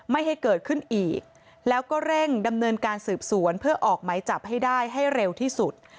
ไม่ให้เกิดขึ้นอีกแล้วก็เร่งดำเนินการสืบสวนเพื่อออกไหมจับให้ได้ให้เร็วที่สุด